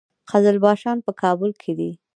قزلباشان په کابل کې دي؟